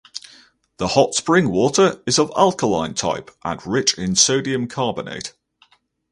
The hot spring water is of alkaline type and rich in sodium carbonate.